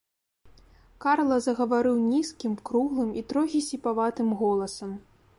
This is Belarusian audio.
Карла загаварыў нізкім, круглым і трохі сіпаватым голасам.